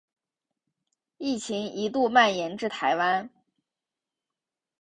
疫情一度蔓延至台湾。